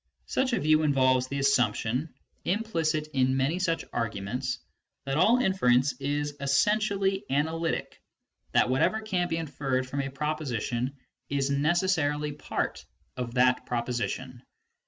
Such a view involves the assumption ŌĆö implicit in many such argu mentsŌĆö that all inference is essentially analytic, that whatever can be inferred from a proposition is necessarily part of that proposi tion.